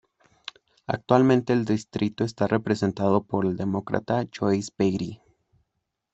Actualmente el distrito está representado por el Demócrata Joyce Beatty.